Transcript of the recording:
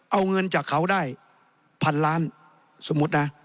เอาเงินจากเขาได้พันล้านสมมุตินะ